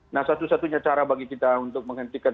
nah satu satunya cara bagi kita untuk menghentikan